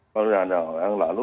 kalau nggak salah yang lalu